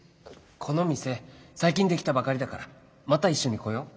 この店最近出来たばかりだからまた一緒に来よう。